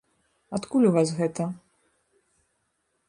Адкуль у вас гэта?